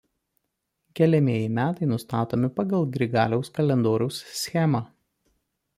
Keliamieji metai nustatomi pagal Grigaliaus kalendoriaus schemą.